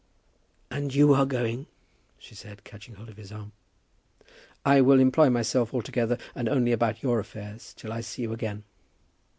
"And you are going?" she said, catching hold of his arm. "I will employ myself altogether and only about your affairs, till I see you again."